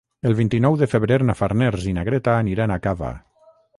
El vint-i-nou de febrer na Farners i na Greta aniran a Cava.